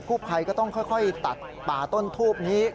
ผู้ภัยก็ต้องค่อยตัดป่าต้นทูบนี้